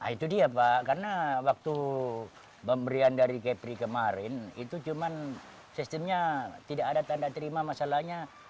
itu dia pak karena waktu pemberian dari kepri kemarin itu cuma sistemnya tidak ada tanda terima masalahnya